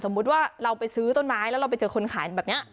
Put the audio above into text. ว่าเราไปซื้อต้นไม้แล้วเราไปเจอคนขายแบบนี้